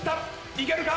いけるか？